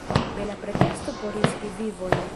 Bela preteksto por riski vivojn!